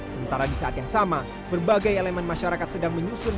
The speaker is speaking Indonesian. sementara di saat yang sama berbagai elemen masyarakat sedang menyusun